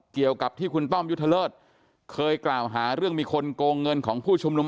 เกี่ยวกับที่คุณต้อมยุทธเลิศเคยกล่าวหาเรื่องมีคนโกงเงินของผู้ชุมนุม